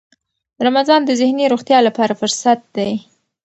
رمضان د ذهني روغتیا لپاره فرصت دی.